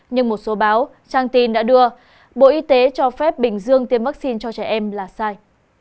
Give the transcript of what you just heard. nhưng một số báo trang tin đã đưa bộ y tế cho phép bình dương tiêm vaccine cho trẻ em là sai